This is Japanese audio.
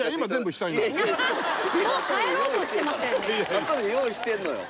あとで用意してるのよ。